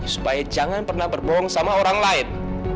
supaya jangan pernah berbohong sama orang lain